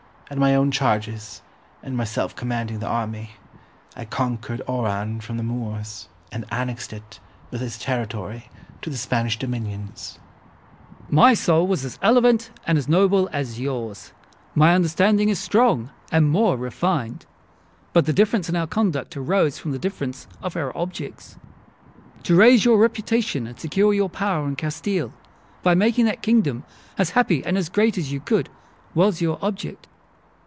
At my own charges, and myself commanding the army, I conquered Oran from the Moors, and annexed it, with its territory, to the Spanish dominions. Wolsey. My soul was as elevated and noble as yours, my understanding as strong, and more refined; but the difference of our conduct arose from the difference of our objects. To raise your reputation and secure your power in Castile, by making that kingdom as happy and as great as you could, was your object.